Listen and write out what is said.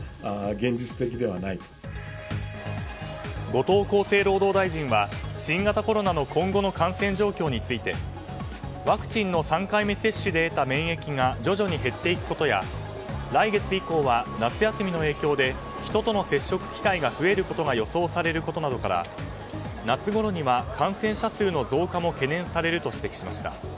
後藤厚生労働大臣は新型コロナの今後の感染状況についてワクチンの３回目接種で得た免疫が徐々に減っていくことや来月以降は夏休みの影響で人との接触機会が増えることが予想されることなどから夏ごろには感染者数の増加も懸念されると指摘しました。